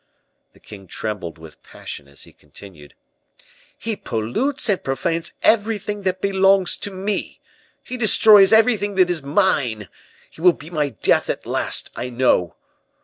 The king trembled with passion as he continued, "He pollutes and profanes everything that belongs to me! He destroys everything that is mine. He will be my death at last, I know.